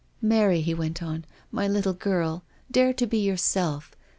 "Mary," he went on, "my little girl! Dare to be yourself.